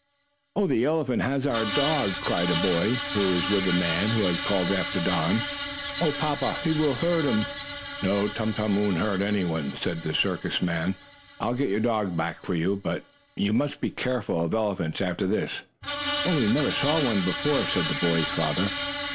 "Oh, the elephant has our dog!" cried a boy who was with the man who had called after Don. "Oh, papa, will he hurt him?" "No, Tum Tum won't hurt anyone," said a circus man. "I'll get your dog back for you, but he must be careful of elephants after this." "He never saw one before," said the boy's father.